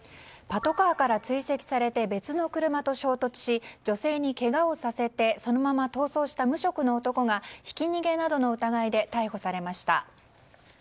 パトカーから追跡され別の車と衝突し女性にけがをさせてそのまま逃走した無職の男がひき逃げなどの疑いで逮捕されました。